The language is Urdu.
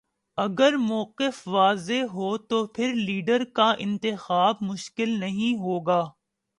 اگر موقف واضح ہو تو پھر لیڈر کا انتخاب مشکل نہیں ہو گا۔